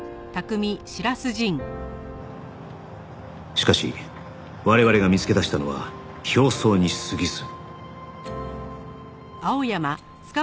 しかし我々が見つけ出したのは表層に過ぎず